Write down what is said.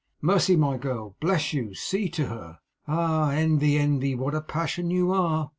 Mercy, my girl, bless you! See to her. Ah, envy, envy, what a passion you are!